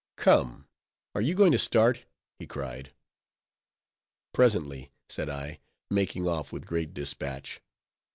"Come, are you going to start?" he cried. "Presently," said I, making off with great dispatch.